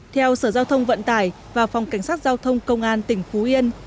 theo sở giao thông vận tải và phòng cảnh sát giao thông công an tỉnh phú yên